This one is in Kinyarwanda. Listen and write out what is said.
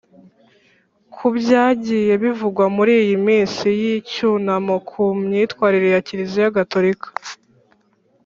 kubyagiye bivugwa muri iyi minsi y’icyunamo ku myitwarire ya kiliziya gatolika